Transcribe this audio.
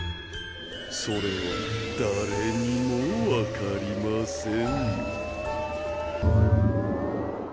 それは誰にもわかりません